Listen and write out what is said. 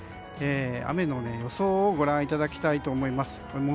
雨の予想をご覧いただきたいと思います。